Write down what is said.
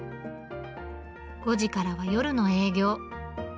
５時からは夜の営業。